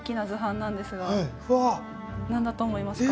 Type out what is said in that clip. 何だと思いますか？